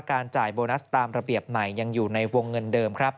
จ่ายโบนัสตามระเบียบใหม่ยังอยู่ในวงเงินเดิมครับ